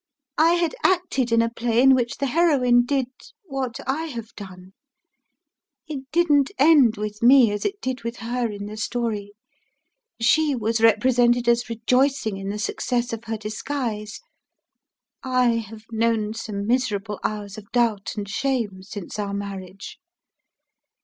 I had acted in a play in which the heroine did what I have done. It didn't end with me as it did with her in the story. She was represented as rejoicing in the success of her disguise. I have known some miserable hours of doubt and shame since our marriage.